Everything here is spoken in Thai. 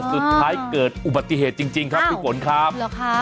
สุดท้ายเกิดอุบัติเหตุจริงครับทุกคนครับ